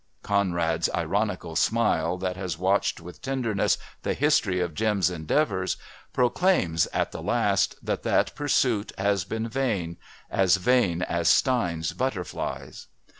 Conrad's ironical smile that has watched with tenderness the history of Jim's endeavours, proclaims, at the last, that that pursuit has been vain as vain as Stein's butterflies.